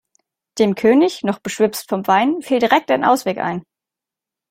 Dem König, noch beschwipst vom Wein, fiel direkt ein Ausweg ein.